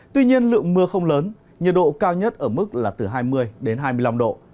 tuy nhiên lượng mưa không lớn nhiệt độ cao nhất ở mức là từ hai mươi đến hai mươi năm độ